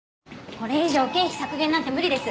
これ以上経費削減なんて無理です。